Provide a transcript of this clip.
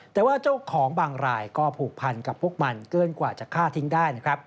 แต่ว่าเจ้าของบางรายก็ผูกพันกับพวกมันเกินกว่าจะฆ่าทิ้งได้นะครับ